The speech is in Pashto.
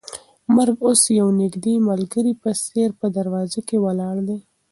مرګ اوس د یو نږدې ملګري په څېر په دروازه کې ولاړ دی.